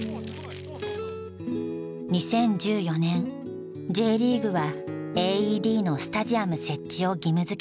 ２０１４年ＪリーグはＡＥＤのスタジアム設置を義務づけた。